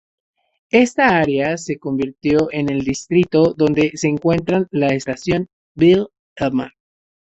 Esta área se convirtió en el distrito donde se encuentra la estación: Ville-Émard.